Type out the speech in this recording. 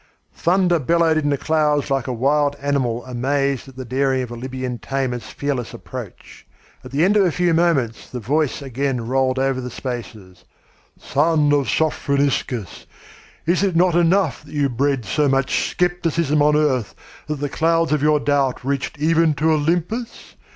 Thunder bellowed in the clouds like a wild animal amazed at the daring of a Lybian tamer's fearless approach. At the end of a few moments the Voice again rolled over the spaces: "Son of Sophroniscus! Is it not enough that you bred so much scepticism on earth that the clouds of your doubt reached even to Olympus?